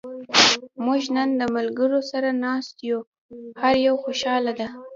موږ نن د ملګرو سره ناست یو. هر یو خوشحاله دا.